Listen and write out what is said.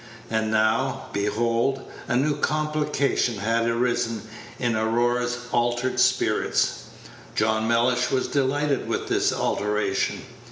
And now, behold, a new complication had arisen in Aurora's altered spirits. John Mellish was delighted with this alteration.